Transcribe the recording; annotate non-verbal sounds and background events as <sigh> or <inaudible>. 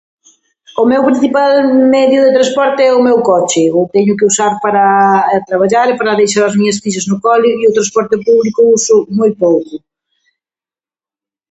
O meu principal medio de transporte é o meu coche, o teño que usar para traballar e para deixar <unintelligible> no cole e o transporte público o uso moi pouco.